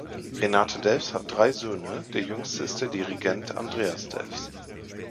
Renate Delfs hat drei Söhne, der jüngste ist der Dirigent Andreas Delfs.